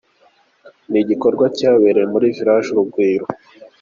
Ni igikorwa cyabereye muri Village Urugwiro.